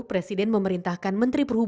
presiden memerintahkan menteri pemerintah